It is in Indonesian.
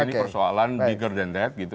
ini persoalan bigger than that gitu